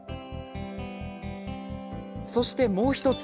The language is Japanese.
そして、もう１つ。